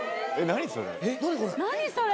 何それ？